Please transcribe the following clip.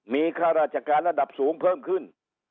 มีค่าราชการระดับสูงเพิ่มขึ้น